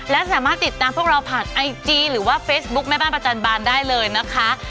และสามารถติดตามพวกเราผ่านไอจีหรือว่าเฟซบุ๊คแม่บ้านประจันบานได้เลยนะคะ